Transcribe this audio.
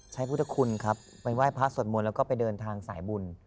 พุทธคุณครับไปไหว้พระสวดมนต์แล้วก็ไปเดินทางสายบุญ